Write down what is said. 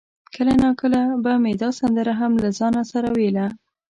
کله ناکله به مې دا سندره هم له ځانه سره ویله.